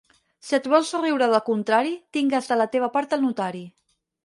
Si et vols riure del contrari, tingues de la teva part el notari.